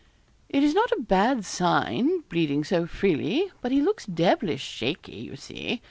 'It is not a bad sign, bleeding so freely, but he looks devilish shaky, you see.